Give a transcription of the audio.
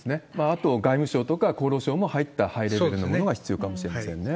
あと外務省とか、厚労省も入ったハイレベルなものが必要かもしれませんね。